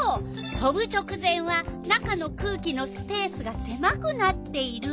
飛ぶ直前は中の空気のスペースがせまくなっている。